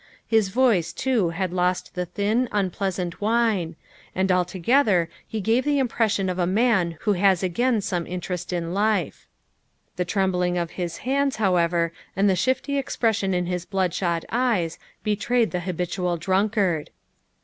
His voice too had lost the thin, unpleasant whine, and altogether he gave the impression of a man who has again some interest in life ; the trembling of his hands, however, and a shifty expression in his bloodshot eyes betrayed the habitual drunkard.